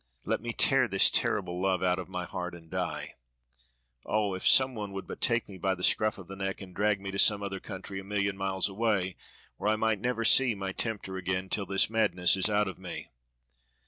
Let me tear this terrible love out of my heart and die. Oh! if some one would but take me by the scurf of the neck and drag me to some other country a million miles away, where I might never see my tempter again till this madness is out of me.